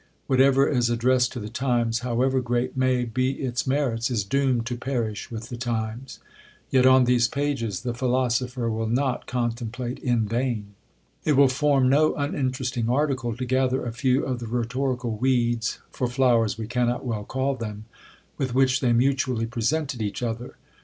Whatever is addressed to the times, however great may be its merits, is doomed to perish with the times; yet on these pages the philosopher will not contemplate in vain. It will form no uninteresting article to gather a few of the rhetorical weeds, for flowers we cannot well call them, with which they mutually presented each other.